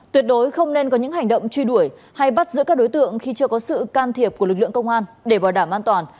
tuyệt đối không nên có những hành động truy đuổi hay bắt giữ các đối tượng khi chưa có sự can thiệp của lực lượng công an để bảo đảm an toàn